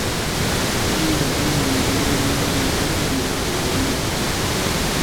Aun así, existe una tendencia a la personificación, o sea, de aspecto human.